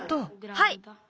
はい！